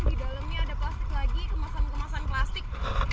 di dalamnya ada plastik lagi kemasan kemasan plastik